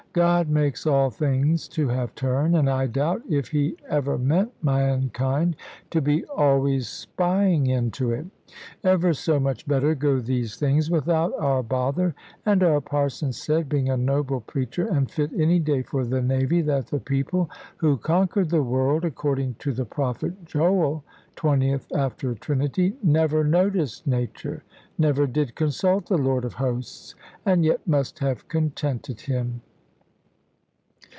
God makes all things to have turn; and I doubt if He ever meant mankind to be always spying into it. Ever so much better go these things without our bother; and our parson said, being a noble preacher, and fit any day for the navy, that the people who conquered the world, according to the prophet Joel 20th after Trinity never noticed nature, never did consult the Lord of Hosts, and yet must have contented Him.